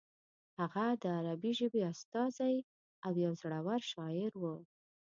هغه د عربي ژبې استازی او یو زوړور شاعر و.